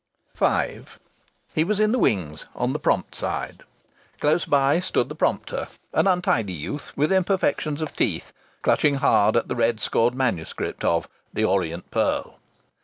V He was in the wings, on the prompt side. Close by stood the prompter, an untidy youth with imperfections of teeth, clutching hard at the red scored manuscript of "The Orient Pearl."